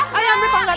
raya tungguin jangan